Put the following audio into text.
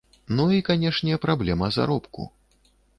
Ну і, канешне, праблема заробку.